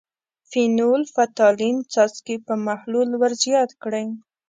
فینول – فتالین څاڅکي په محلول ور زیات کړئ.